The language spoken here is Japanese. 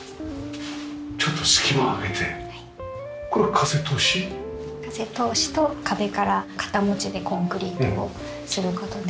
風通しと壁から片持ちでコンクリートをする事で。